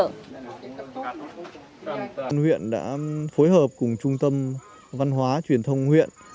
công an huyện đã phối hợp cùng trung tâm văn hóa truyền thông huyện